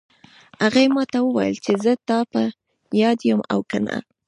هغې ما ته وویل چې زه د تا په یاد یم او که نه